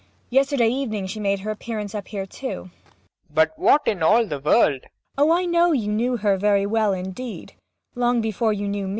Yesterday evening she made her appearance up here too. PROFESSOR RUBEK. But what in all the world ! MAIA. Oh, I know you knew her very well indeed long before you knew me.